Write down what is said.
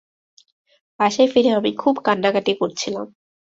বাসায় ফিরে আমি খুব কান্নাকাটি করছিলাম।